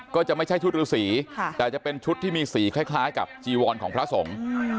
ก็จะไม่ใช่ชุดฤษีแต่จะเป็นชุดที่มีสีคล้ายกับจีวรของพระสงฆ์